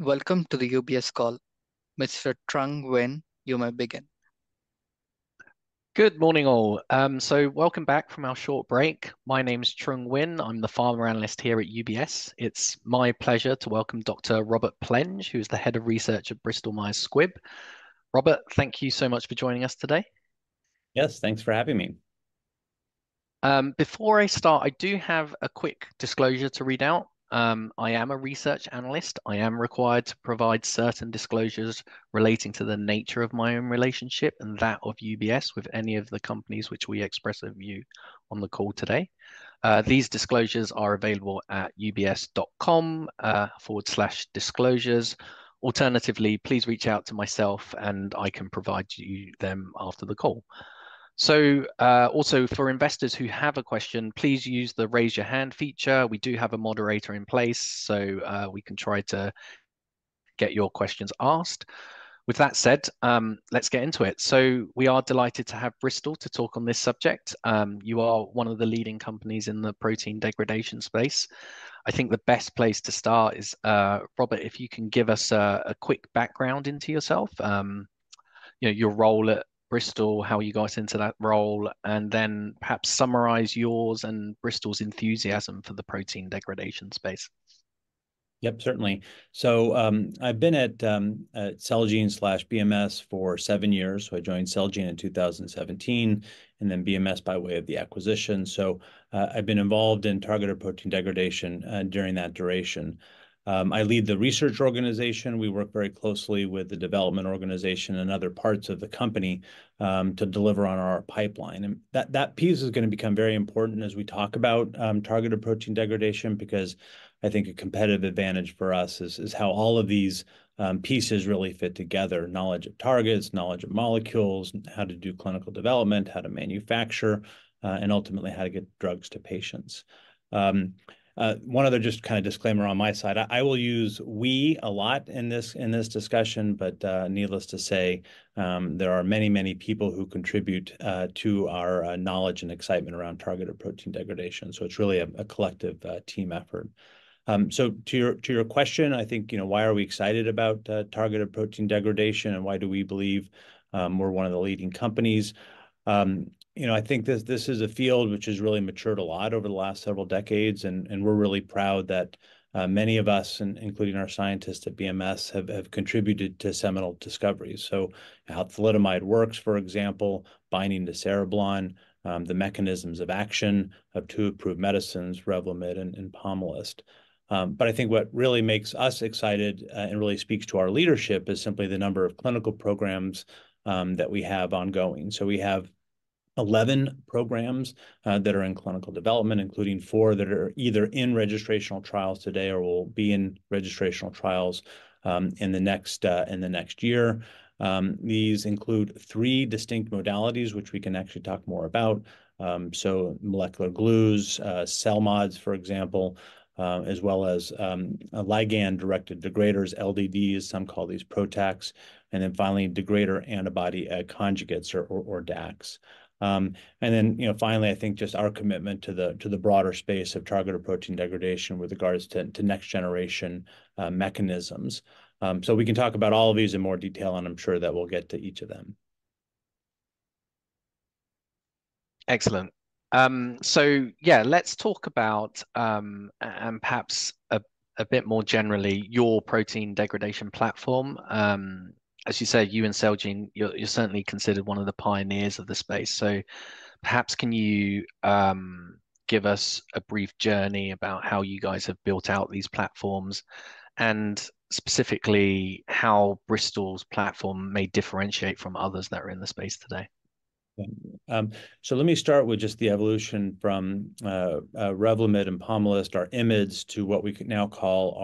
Welcome to the UBS call. Mr. Trung Nguyen, you may begin. Good morning, all. Welcome back from our short break. My name is Trung Nguyen. I'm the pharma analyst here at UBS. It's my pleasure to welcome Dr. Robert Plenge, who's the Head of Research at Bristol Myers Squibb. Robert, thank you so much for joining us today. Yes, thanks for having me. Before I start, I do have a quick disclosure to read out. I am a research analyst. I am required to provide certain disclosures relating to the nature of my own relationship and that of UBS with any of the companies which we express a view on the call today. These disclosures are available at ubs.com/disclosures. Alternatively, please reach out to myself, and I can provide you them after the call. Also, for investors who have a question, please use the Raise Your Hand feature. We do have a moderator in place, so we can try to get your questions asked. With that said, let's get into it. So we are delighted to have Bristol to talk on this subject. You are one of the leading companies in the protein degradation space. I think the best place to start is, Robert, if you can give us a quick background into yourself, you know, your role at Bristol, how you got into that role, and then perhaps summarize yours and Bristol's enthusiasm for the protein degradation space. Yep, certainly. So, I've been at Celgene/BMS for seven years. So I joined Celgene in 2017, and then BMS by way of the acquisition. So, I've been involved in targeted protein degradation during that duration. I lead the research organization. We work very closely with the development organization and other parts of the company to deliver on our pipeline. And that piece is gonna become very important as we talk about targeted protein degradation, because I think a competitive advantage for us is how all of these pieces really fit together: knowledge of targets, knowledge of molecules, how to do clinical development, how to manufacture, and ultimately, how to get drugs to patients. One other just kind of disclaimer on my side. I will use 'we' a lot in this discussion, but needless to say, there are many, many people who contribute to our knowledge and excitement around targeted protein degradation, so it's really a collective team effort. So to your question, I think, you know, why are we excited about targeted protein degradation, and why do we believe we're one of the leading companies? You know, I think this is a field which has really matured a lot over the last several decades, and we're really proud that many of us, including our scientists at BMS, have contributed to seminal discoveries. So how thalidomide works, for example, binding to cereblon, the mechanisms of action of two approved medicines, Revlimid and, and Pomalyst. But I think what really makes us excited, and really speaks to our leadership, is simply the number of clinical programs that we have ongoing. So we have eleven programs, that are in clinical development, including four that are either in registrational trials today or will be in registrational trials, in the next, in the next year. These include three distinct modalities, which we can actually talk more about. So molecular glues, CELMoDs, for example, as well as, a ligand-directed degraders, LDDs, some call these PROTACs, and then finally, degrader antibody conjugates or, or DACs. And then, you know, finally, I think just our commitment to the, to the broader space of targeted protein degradation with regards to, to next-generation mechanisms. So we can talk about all of these in more detail, and I'm sure that we'll get to each of them. Excellent. So yeah, let's talk about, and perhaps a bit more generally, your protein degradation platform. As you say, you and Celgene, you're certainly considered one of the pioneers of the space. So perhaps can you give us a brief journey about how you guys have built out these platforms, and specifically, how Bristol's platform may differentiate from others that are in the space today? So let me start with just the evolution from Revlimid and Pomalyst, our IMiDs, to what we could now call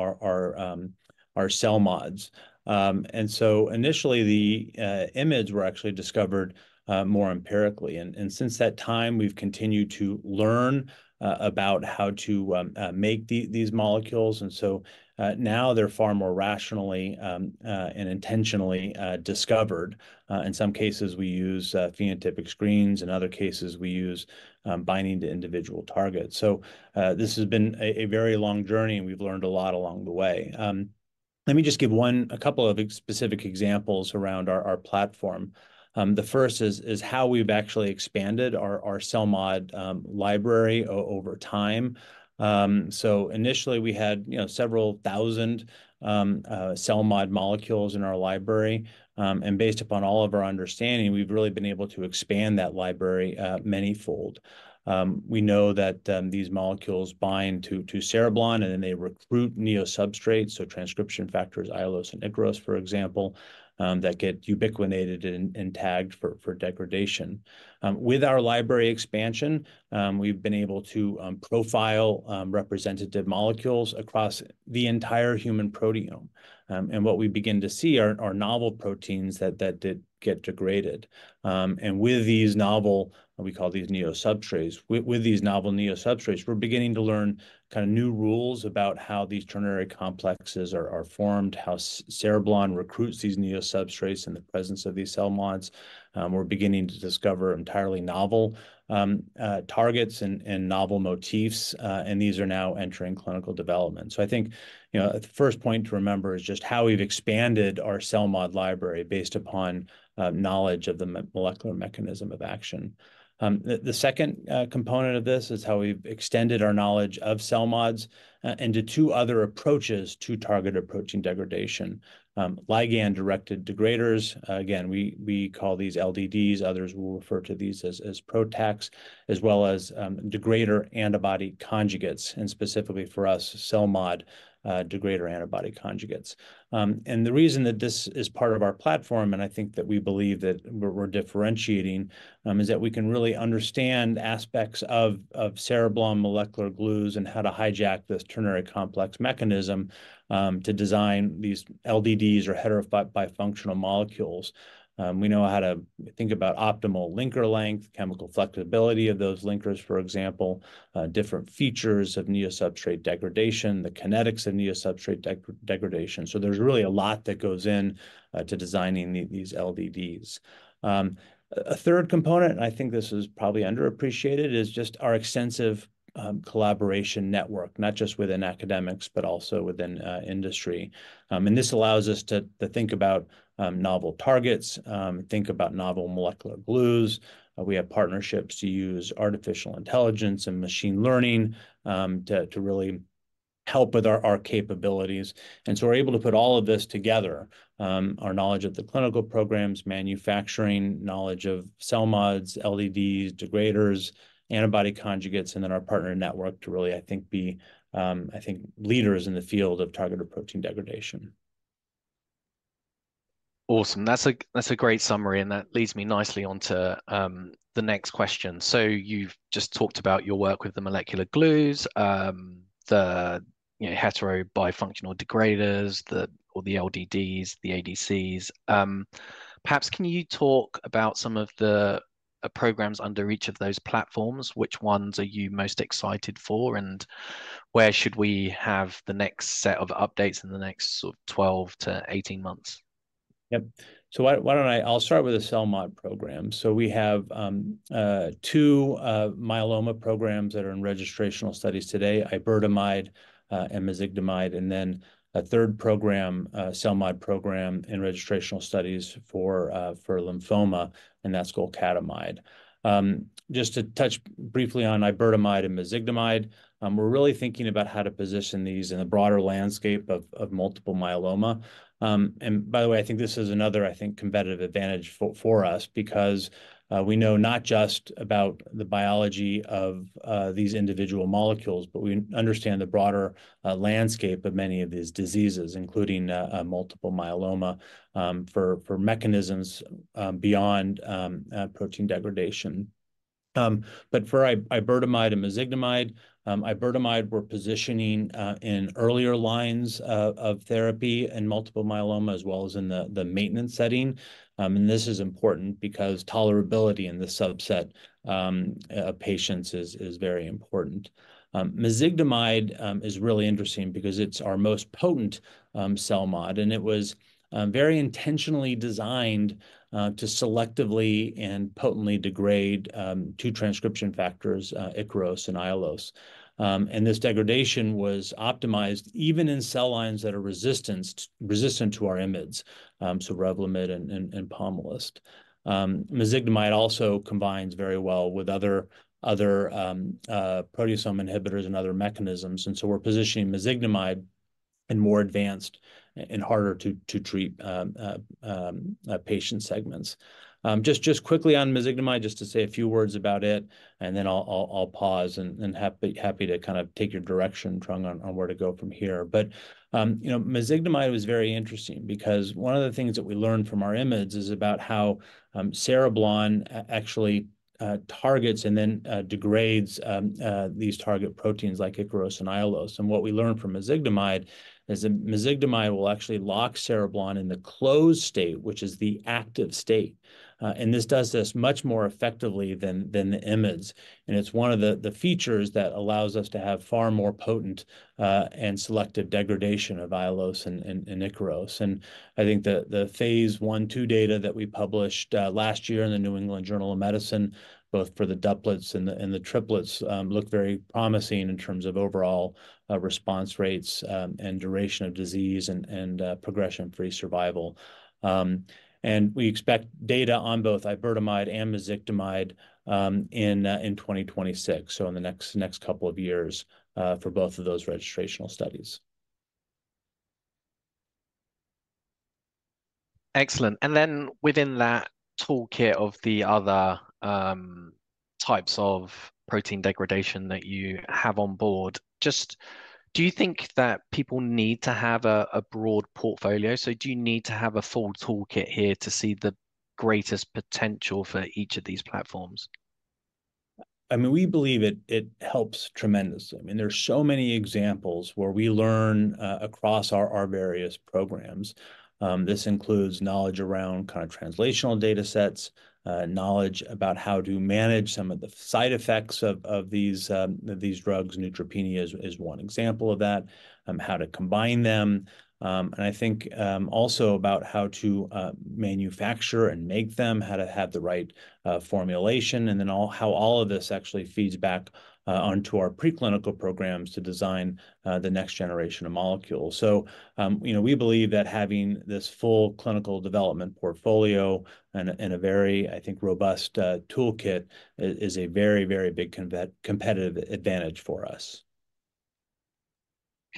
our CELMoDs. And so initially, the IMiDs were actually discovered more empirically. And since that time, we've continued to learn about how to make these molecules. And so now they're far more rationally and intentionally discovered. In some cases, we use phenotypic screens. In other cases, we use binding to individual targets. So this has been a very long journey, and we've learned a lot along the way. Let me just give a couple of specific examples around our platform. The first is how we've actually expanded our CELMoD library over time. So initially we had, you know, several thousand CELMoD molecules in our library. And based upon all of our understanding, we've really been able to expand that library manyfold. We know that these molecules bind to cereblon, and then they recruit neo-substrates, so transcription factors, Aiolos and Ikaros, for example, that get ubiquitinated and tagged for degradation. With our library expansion, we've been able to profile representative molecules across the entire human proteome. And what we begin to see are novel proteins that did get degraded. And with these novel, we call these neo-substrates, with these novel neo-substrates, we're beginning to learn kinda new rules about how these ternary complexes are formed, how cereblon recruits these neo-substrates in the presence of these CELMoDs. We're beginning to discover entirely novel targets and novel motifs, and these are now entering clinical development. So I think, you know, the first point to remember is just how we've expanded our CELMoD library based upon knowledge of the molecular mechanism of action. The second component of this is how we've extended our knowledge of CELMoDs into two other approaches to targeted protein degradation. Ligand-directed degraders, again, we call these LDDs. Others will refer to these as PROTACs, as well as degrader-antibody conjugates, and specifically for us, CELMoD degrader antibody conjugates. And the reason that this is part of our platform, and I think that we believe that we're differentiating, is that we can really understand aspects of cereblon molecular glues and how to hijack this ternary complex mechanism to design these LDDs or heterobifunctional molecules. We know how to think about optimal linker length, chemical flexibility of those linkers, for example, different features of neo-substrate degradation, the kinetics of neo-substrate degradation. So there's really a lot that goes in to designing these LDDs. A third component, and I think this is probably underappreciated, is just our extensive collaboration network, not just within academia, but also within industry. And this allows us to think about novel targets, think about novel molecular glues. We have partnerships to use artificial intelligence and machine learning, to really help with our capabilities. And so we're able to put all of this together, our knowledge of the clinical programs, manufacturing, knowledge of CELMoDs, LDDs, degraders, antibody conjugates, and then our partner network to really, I think, be, I think, leaders in the field of targeted protein degradation. Awesome. That's a great summary, and that leads me nicely onto the next question. So you've just talked about your work with the molecular glues, the, you know, heterobifunctional degraders, or the LDDs, the ADCs. Perhaps can you talk about some of the programs under each of those platforms? Which ones are you most excited for, and where should we have the next set of updates in the next sort of 12-18 months? Yep. I'll start with the CELMoD program. So we have two myeloma programs that are in registrational studies today, iberdomide and mezigdomide, and then a third program, CELMoD program in registrational studies for lymphoma, and that's golcadomide. Just to touch briefly on iberdomide and mezigdomide, we're really thinking about how to position these in the broader landscape of multiple myeloma. And by the way, I think this is another competitive advantage for us because we know not just about the biology of these individual molecules, but we understand the broader landscape of many of these diseases, including multiple myeloma for mechanisms beyond protein degradation. But for iberdomide and mezigdomide, iberdomide we're positioning in earlier lines of therapy in multiple myeloma, as well as in the maintenance setting. And this is important because tolerability in this subset of patients is very important. Mezigdomide is really interesting because it's our most potent CELMoD, and it was very intentionally designed to selectively and potently degrade two transcription factors, Ikaros and Aiolos. And this degradation was optimized even in cell lines that are resistant to our IMiDs, so Revlimid and Pomalyst. Mezigdomide also combines very well with other proteasome inhibitors and other mechanisms, and so we're positioning mezigdomide in more advanced and harder to treat patient segments. Just quickly on mezigdomide, just to say a few words about it, and then I'll pause and be happy to kind of take your direction, Trung, on where to go from here. But, you know, mezigdomide was very interesting because one of the things that we learned from our IMiDs is about how cereblon actually targets and then degrades these target proteins like Ikaros and Aiolos. And what we learned from mezigdomide is that mezigdomide will actually lock cereblon in the closed state, which is the active state. And this does this much more effectively than the IMiDs, and it's one of the features that allows us to have far more potent and selective degradation of Aiolos and Ikaros. I think the phase I, II data that we published last year in The New England Journal of Medicine, both for the doublets and the triplets, look very promising in terms of overall response rates, and duration of disease and progression-free survival. We expect data on both iberdomide and mezigdomide in 2026, so in the next couple of years, for both of those registrational studies.... Excellent. And then within that toolkit of the other types of protein degradation that you have on board, just do you think that people need to have a broad portfolio? So do you need to have a full toolkit here to see the greatest potential for each of these platforms? I mean, we believe it, it helps tremendously. I mean, there are so many examples where we learn across our, our various programs. This includes knowledge around kind of translational data sets, knowledge about how to manage some of the side effects of, of these, these drugs. Neutropenia is, is one example of that, how to combine them. And I think, also about how to manufacture and make them, how to have the right, formulation, and then how all of this actually feeds back onto our preclinical programs to design, the next generation of molecules. So, you know, we believe that having this full clinical development portfolio and a, and a very, I think, robust, toolkit is, is a very, very big competitive advantage for us.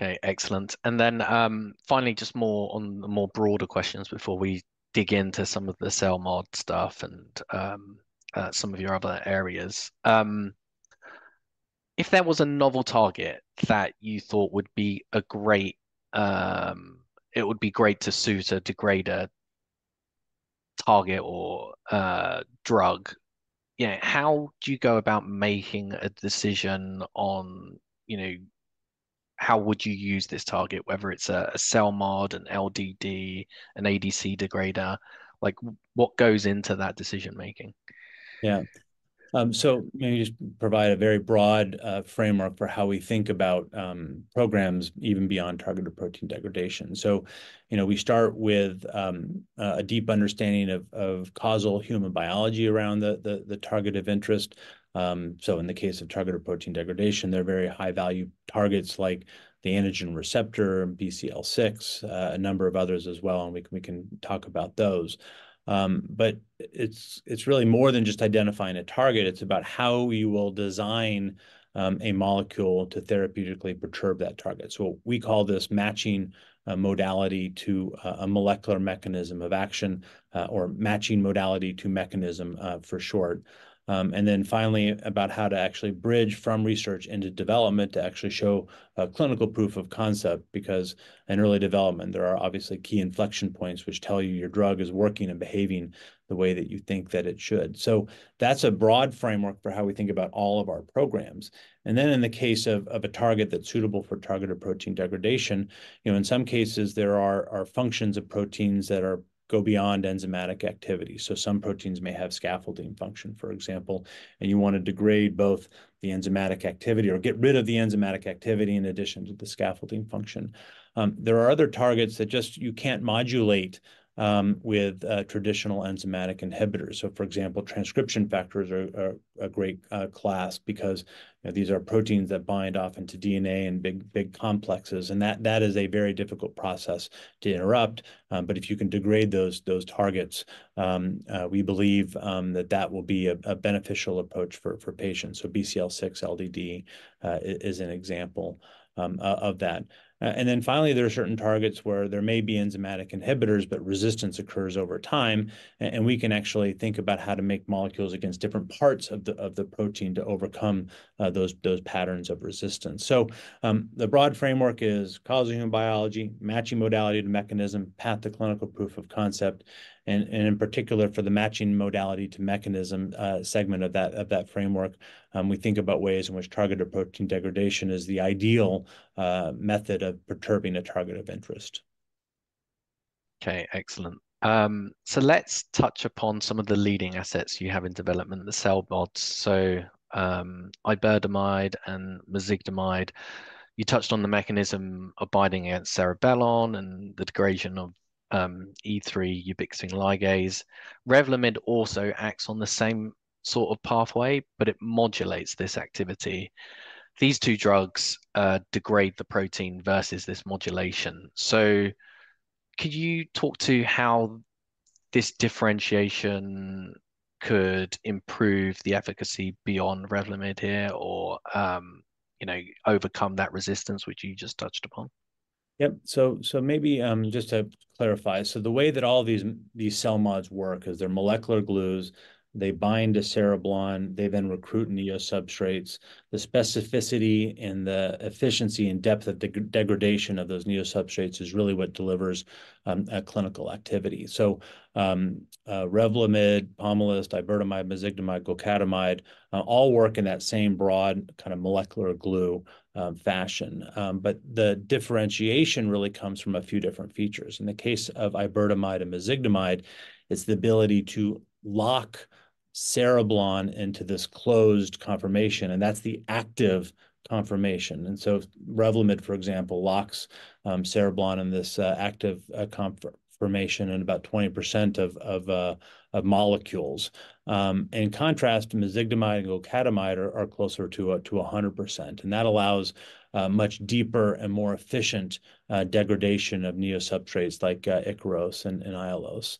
Okay, excellent. And then, finally, just more on the more broader questions before we dig into some of the CELMoD stuff and, some of your other areas. If there was a novel target that you thought would be a great, it would be great to suit a degrader target or a drug, you know, how do you go about making a decision on, you know, how would you use this target, whether it's a, a CELMoD, an LDD, an ADC degrader? Like, what goes into that decision-making? Yeah. So let me just provide a very broad framework for how we think about programs even beyond targeted protein degradation. So, you know, we start with a deep understanding of causal human biology around the target of interest. So in the case of targeted protein degradation, they're very high-value targets, like the androgen receptor, BCL-6, a number of others as well, and we can talk about those. But it's really more than just identifying a target. It's about how we will design a molecule to therapeutically perturb that target. So we call this matching a modality to a molecular mechanism of action, or matching modality to mechanism for short. And then finally, about how to actually bridge from research into development to actually show a clinical proof of concept, because in early development, there are obviously key inflection points which tell you your drug is working and behaving the way that you think that it should. So that's a broad framework for how we think about all of our programs. And then in the case of a target that's suitable for targeted protein degradation, you know, in some cases, there are functions of proteins that go beyond enzymatic activity. So some proteins may have scaffolding function, for example, and you want to degrade both the enzymatic activity or get rid of the enzymatic activity in addition to the scaffolding function. There are other targets that just you can't modulate with traditional enzymatic inhibitors. So for example, transcription factors are a great class because, you know, these are proteins that bind to DNA and big complexes, and that is a very difficult process to interrupt. But if you can degrade those targets, we believe that that will be a beneficial approach for patients. So BCL-6 LDD is an example of that. And then finally, there are certain targets where there may be enzymatic inhibitors, but resistance occurs over time and we can actually think about how to make molecules against different parts of the protein to overcome those patterns of resistance. So, the broad framework is causing biology, matching modality to mechanism, path to clinical proof of concept, and in particular, for the matching modality to mechanism segment of that framework, we think about ways in which targeted protein degradation is the ideal method of perturbing a target of interest. Okay, excellent. So let's touch upon some of the leading assets you have in development, the CELMoDs. So, iberdomide and mezigdomide, you touched on the mechanism of binding against cereblon and the degradation of, E3 ubiquitin ligase. Revlimid also acts on the same sort of pathway, but it modulates this activity. These two drugs, degrade the protein versus this modulation. So could you talk to how this differentiation could improve the efficacy beyond Revlimid here, or, you know, overcome that resistance which you just touched upon? Yep. So maybe just to clarify, so the way that all these CELMoDs work is they're molecular glues. They bind to cereblon, they then recruit neo-substrates. The specificity and the efficiency and depth of degradation of those neo-substrates is really what delivers a clinical activity. So, Revlimid, Pomalyst, iberdomide, mezigdomide, golcadomide, all work in that same broad kind of molecular glue fashion. But the differentiation really comes from a few different features. In the case of iberdomide and mezigdomide, it's the ability to lock cereblon into this closed conformation, and that's the active conformation. And so Revlimid, for example, locks cereblon in this active conformation in about 20% of molecules. In contrast, mezigdomide and golcadomide are closer to 100%, and that allows much deeper and more efficient degradation of neo-substrates like Ikaros and Aiolos.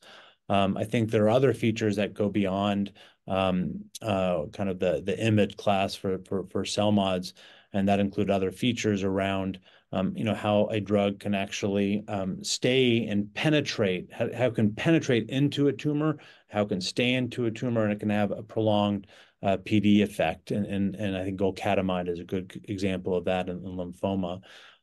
I think there are other features that go beyond kind of the IMiD class for CELMoDs, and that include other features around, you know, how a drug can actually stay and penetrate... how it can penetrate into a tumor, how it can stay into a tumor, and it can have a prolonged PD effect. I think golcadomide is a good example of that in the lymphoma.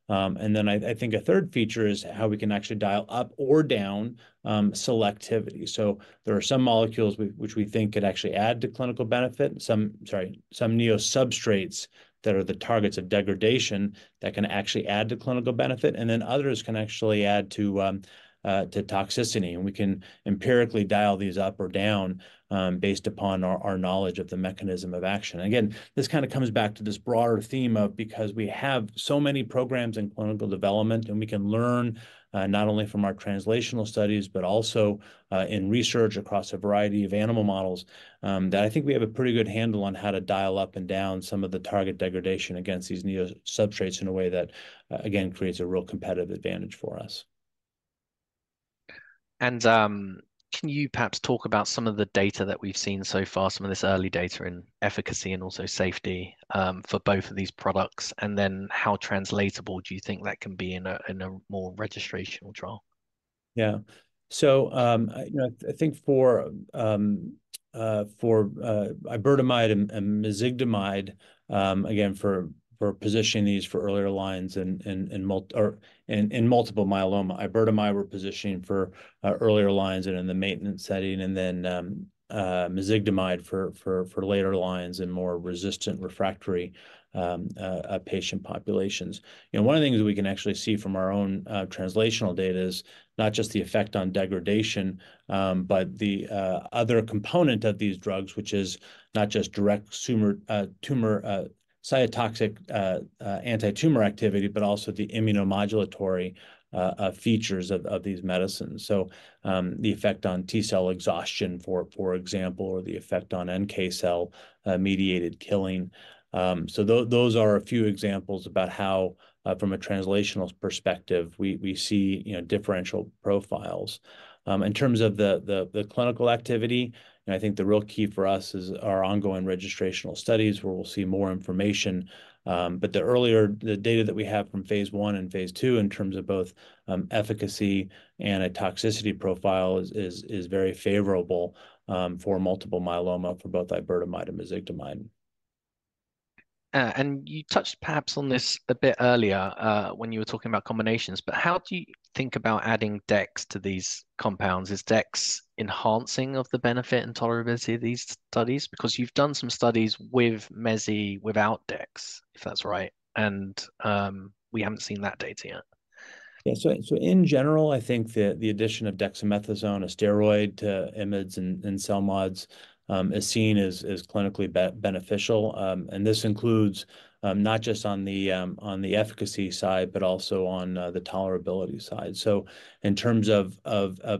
And then I think a third feature is how we can actually dial up or down selectivity. So there are some molecules which we think could actually add to clinical benefit. Some neo-substrates that are the targets of degradation that can actually add to clinical benefit, and then others can actually add to toxicity. We can empirically dial these up or down based upon our knowledge of the mechanism of action. Again, this kind of comes back to this broader theme of because we have so many programs in clinical development, and we can learn not only from our translational studies, but also in research across a variety of animal models, that I think we have a pretty good handle on how to dial up and down some of the target degradation against these neo-substrates in a way that again creates a real competitive advantage for us. ... And, can you perhaps talk about some of the data that we've seen so far, some of this early data in efficacy and also safety, for both of these products? And then how translatable do you think that can be in a more registrational trial? Yeah. So, I, you know, I think for iberdomide and mezigdomide, again, for positioning these for earlier lines and or in multiple myeloma. Iberdomide we're positioning for earlier lines and in the maintenance setting, and then mezigdomide for later lines and more resistant refractory patient populations. You know, one of the things we can actually see from our own translational data is not just the effect on degradation, but the other component of these drugs, which is not just direct tumor cytotoxic antitumor activity, but also the immunomodulatory features of these medicines. So, the effect on T-cell exhaustion, for example, or the effect on NK cell mediated killing. So those are a few examples about how, from a translational perspective, we see, you know, differential profiles. In terms of the clinical activity, and I think the real key for us is our ongoing registrational studies, where we'll see more information. But the earlier data that we have from phase I and phase II, in terms of both efficacy and a toxicity profile, is very favorable for multiple myeloma for both iberdomide and mezigdomide. And you touched perhaps on this a bit earlier, when you were talking about combinations, but how do you think about adding dex to these compounds? Is dex enhancing of the benefit and tolerability of these studies? Because you've done some studies with mezi, without dex, if that's right, and we haven't seen that data yet. Yeah. In general, I think the addition of dexamethasone, a steroid, to IMiDs and CELMoDs, is seen as clinically beneficial. This includes not just on the efficacy side, but also on the tolerability side. In terms of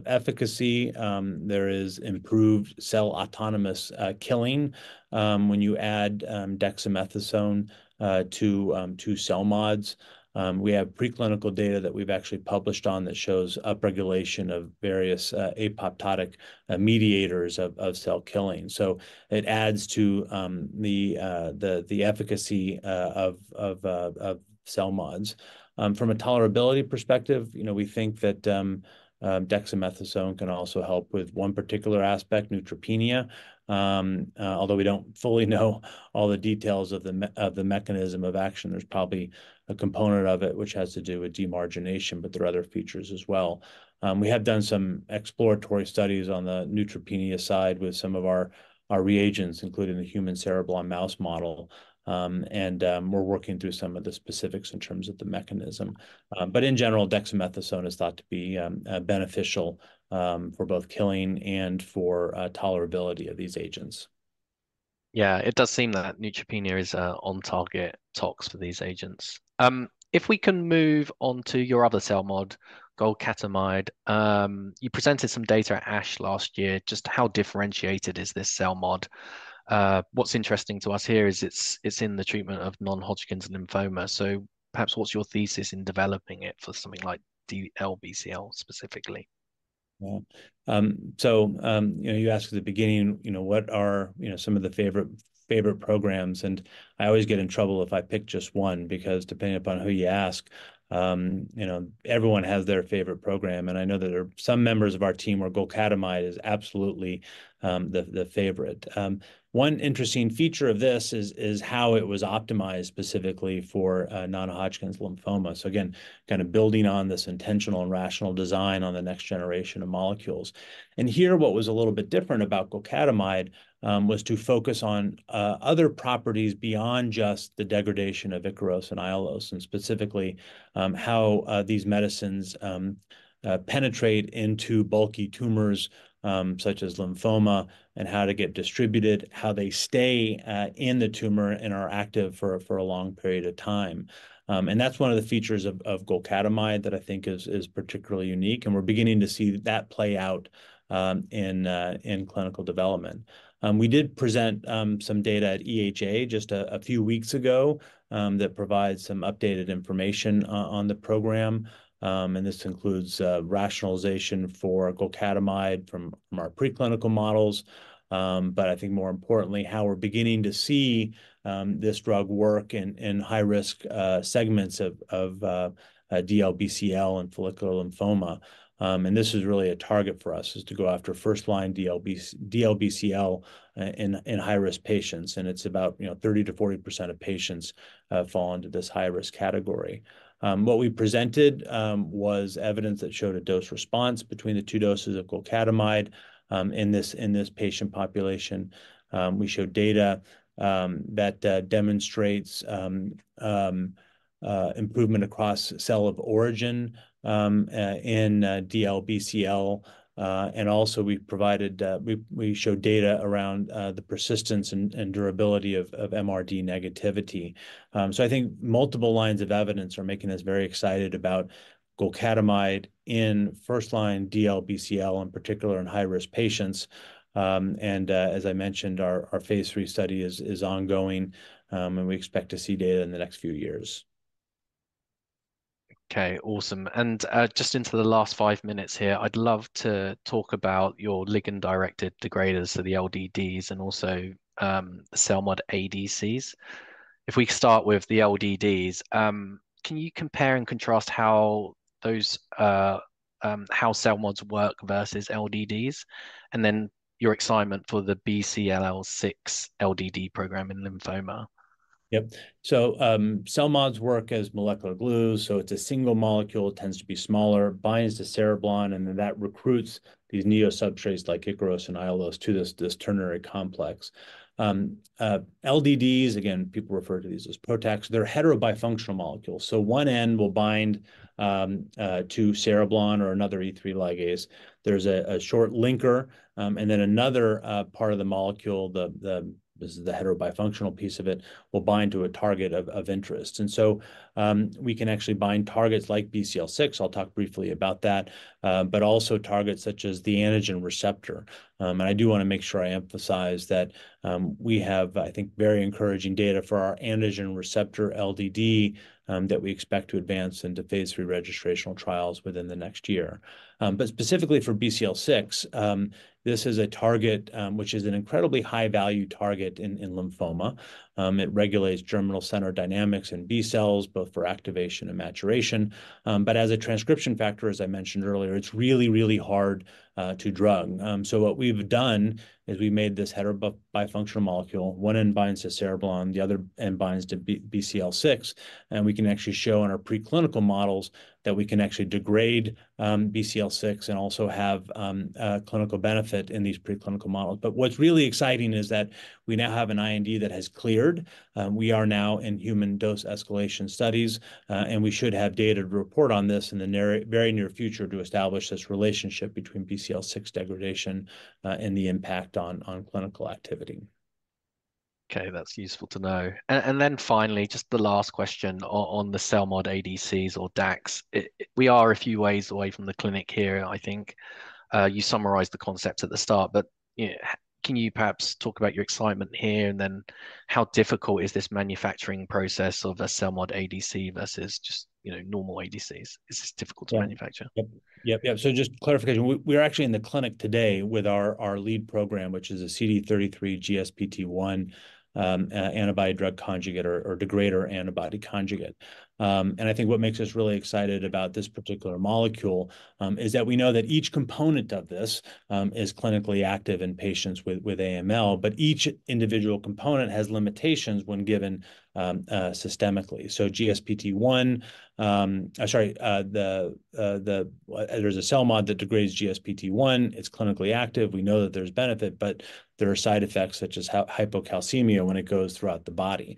efficacy, there is improved cell-autonomous killing when you add dexamethasone to CELMoDs. We have preclinical data that we've actually published on that shows upregulation of various apoptotic mediators of cell killing. It adds to the efficacy of CELMoDs. From a tolerability perspective, you know, we think that dexamethasone can also help with one particular aspect, neutropenia. Although we don't fully know all the details of the mechanism of action, there's probably a component of it which has to do with demargination, but there are other features as well. We have done some exploratory studies on the neutropenia side with some of our reagents, including the human cereblon and mouse model, and we're working through some of the specifics in terms of the mechanism. But in general, dexamethasone is thought to be beneficial for both killing and for tolerability of these agents. Yeah, it does seem that neutropenia is on target tox for these agents. If we can move on to your other CELMoD, golcadomide. You presented some data at ASH last year. Just how differentiated is this CELMoD? What's interesting to us here is it's in the treatment of non-Hodgkin lymphoma, so perhaps what's your thesis in developing it for something like DLBCL, specifically? Well, so, you know, you asked at the beginning, you know, "What are, you know, some of the favorite, favorite programs?" And I always get in trouble if I pick just one, because depending upon who you ask, you know, everyone has their favorite program. And I know that there are some members of our team where golcadomide is absolutely, the favorite. One interesting feature of this is how it was optimized specifically for non-Hodgkin lymphoma. So again, kind of building on this intentional and rational design on the next generation of molecules. Here, what was a little bit different about golcadomide was to focus on other properties beyond just the degradation of Ikaros and Aiolos, and specifically how these medicines penetrate into bulky tumors, such as lymphoma, and how to get distributed, how they stay in the tumor and are active for a long period of time. That's one of the features of golcadomide that I think is particularly unique, and we're beginning to see that play out in clinical development. We did present some data at EHA just a few weeks ago that provides some updated information on the program. And this includes rationalization for golcadomide from our preclinical models, but I think more importantly, how we're beginning to see this drug work in high-risk segments of DLBCL and follicular lymphoma. And this is really a target for us, is to go after first-line DLBCL in high-risk patients, and it's about, you know, 30%-40% of patients fall into this high-risk category. What we presented was evidence that showed a dose response between the two doses of golcadomide in this patient population. We showed data that demonstrates improvement across cell of origin in DLBCL, and also we provided we showed data around the persistence and durability of MRD negativity. So I think multiple lines of evidence are making us very excited about golcadomide in first-line DLBCL, in particular, in high-risk patients. And as I mentioned, our phase III study is ongoing, and we expect to see data in the next few years. ... Okay, awesome. And, just into the last five minutes here, I'd love to talk about your ligand-directed degraders, so the LDDs, and also, the CELMoD ADCs. If we start with the LDDs, can you compare and contrast how those, how CELMoDs work versus LDDs, and then your excitement for the BCL-6 LDD program in lymphoma? Yep. So, CELMoDs work as molecular glue, so it's a single molecule, tends to be smaller, binds to cereblon, and then that recruits these neo-substrates like Ikaros and Aiolos to this, this ternary complex. LDDs, again, people refer to these as PROTACs. They're heterobifunctional molecules, so one end will bind to cereblon or another E3 ligase. There's a short linker, and then another part of the molecule, the, the, this is the heterobifunctional piece of it, will bind to a target of, of interest. And so, we can actually bind targets like BCL-6, I'll talk briefly about that, but also targets such as the androgen receptor. I do want to make sure I emphasize that, we have, I think, very encouraging data for our androgen receptor LDD, that we expect to advance into phase III registrational trials within the next year. But specifically for BCL-6, this is a target, which is an incredibly high-value target in lymphoma. It regulates germinal center dynamics and B cells, both for activation and maturation. But as a transcription factor, as I mentioned earlier, it's really, really hard to drug. So what we've done is we've made this heterobifunctional molecule. One end binds to cereblon, the other end binds to BCL-6, and we can actually show in our preclinical models that we can actually degrade BCL-6 and also have a clinical benefit in these preclinical models. But what's really exciting is that we now have an IND that has cleared. We are now in human dose escalation studies, and we should have data to report on this in the near-very near future to establish this relationship between BCL-6 degradation, and the impact on clinical activity. Okay, that's useful to know. And then finally, just the last question on the CELMoD ADCs or DACs. We are a few ways away from the clinic here, I think. You summarized the concepts at the start, but, you know, can you perhaps talk about your excitement here, and then how difficult is this manufacturing process of a CELMoD ADC versus just, you know, normal ADCs? Is this difficult to manufacture? Yep, yep, yep. So just clarification, we're actually in the clinic today with our lead program, which is a CD33 GSPT1 antibody drug conjugate or degrader antibody conjugate. And I think what makes us really excited about this particular molecule is that we know that each component of this is clinically active in patients with AML, but each individual component has limitations when given systemically. So GSPT1. There's a CELMoD that degrades GSPT1. It's clinically active. We know that there's benefit, but there are side effects such as hypocalcemia when it goes throughout the body.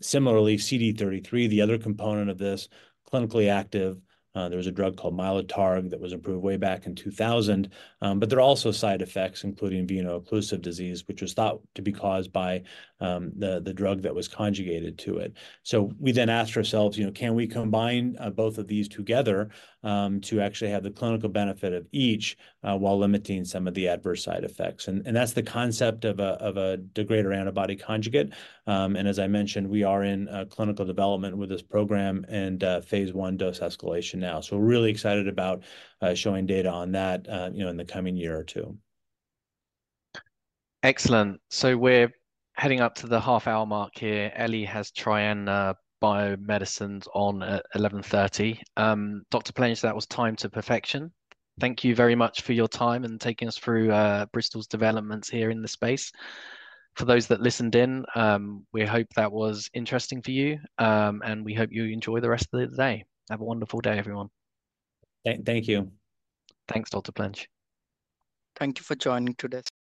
Similarly, CD33, the other component of this, clinically active. There was a drug called Mylotarg that was approved way back in 2000. But there are also side effects, including veno-occlusive disease, which was thought to be caused by the drug that was conjugated to it. So we then asked ourselves, you know, "Can we combine both of these together to actually have the clinical benefit of each while limiting some of the adverse side effects?" And that's the concept of a degrader antibody conjugate. And as I mentioned, we are in clinical development with this program and phase I dose escalation now. So we're really excited about showing data on that, you know, in the coming year or two. Excellent. So we're heading up to the half-hour mark here. Ellie has Triana Biomedicines on at 11:30. Dr. Plenge, that was timed to perfection. Thank you very much for your time and taking us through Bristol's developments here in the space. For those that listened in, we hope that was interesting for you, and we hope you enjoy the rest of the day. Have a wonderful day, everyone. Thank you. Thanks, Dr. Plenge. Thank you for joining today's-